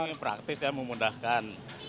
ini praktis dan memudahkan